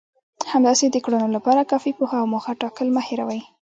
همداسې د کړنو لپاره کافي پوهه او موخه ټاکل مه هېروئ.